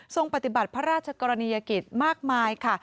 ปฏิบัติพระราชกรณียกิจมากมายค่ะ